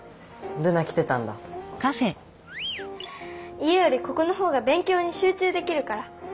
家よりここのほうがべん強にしゅう中できるから。